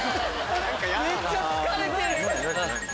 めっちゃ疲れてる。